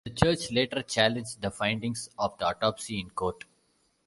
The Church later challenged the findings of the autopsy in court.